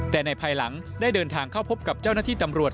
แต่ในภายหลังได้เดินทางเข้าพบกับเจ้าหน้าที่ตำรวจ